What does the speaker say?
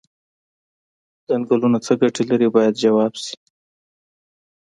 څنګلونه څه ګټې لري باید ځواب شي.